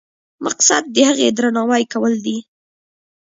مقصد د هغې درناوی کول دي.